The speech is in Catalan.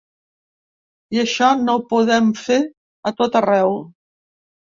I això no ho podem fer a tot arreu.